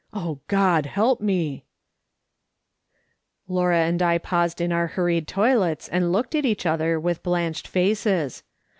Oh, God help me !" Laura and I paused in our hurried toilets and looked at each other with blanched faces.